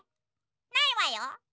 ないわよ。